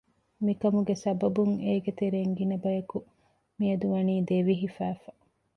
މިކަމުގެ ސަބަބުން އޭގެ ތެރެއިން ގިނަބަޔަކު މިއަދު ވަނީ ދެވި ހިފައިފަ